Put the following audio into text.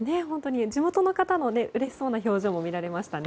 地元の方のうれしそうな表情も見られましたね。